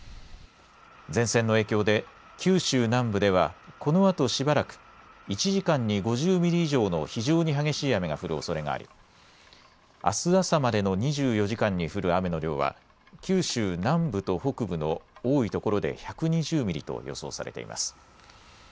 前線の影響で九州南部ではこのあとしばらく１時間に５０ミリ以上の非常に激しい雨が降るおそれがありあす朝までの２４時間に降る雨の量は九州南部と北部の多いところで１２０ミリと予想されています。